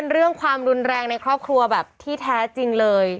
เรื่องความรุนแรงในครอบครัวแบบที่แท้จริงเลย